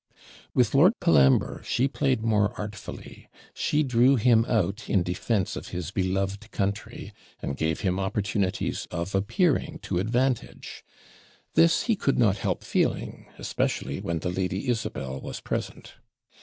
With Lord Colambre she played more artfully; she drew him out in defence of his beloved country, and gave him opportunities of appearing to advantage; this he could not help feeling, especially when the Lady Isabel was present.